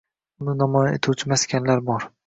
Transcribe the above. Uni namoyon etuvchi maskanlar bor.